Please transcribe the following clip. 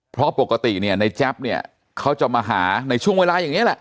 เพราะปกติในแจ๊บเขาจะมาหาในช่วงเวลาอย่างนี้แหละ